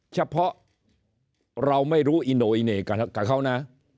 เฉพาะเราไม่รู้อิโนอิเน่กับเขานะ